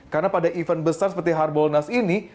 karena pada event besar seperti harbolnas ini